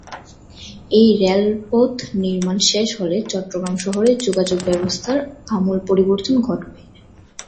এই রেলপথ নির্মাণ শেষ হলে চট্টগ্রাম শহরে যোগাযোগ ব্যবস্থার আমূল পরিবর্তন ঘটবে।